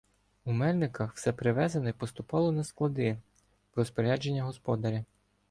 У Мельниках все привезене поступило на "склади" в розпорядження господаря.